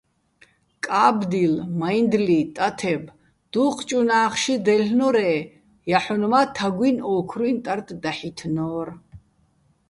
კა́ბდილ, მაჲნდლი, ტათებ - დუჴჭ უ̂ნა́ხში დაჲლ'ნორ-ე́ ჲაჰ̦ონ მა́ თაგუჲნი̆ ო́ქრუჲჼ ტარდ დაჰ̦ითინო́რ.